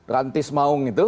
rantis maung itu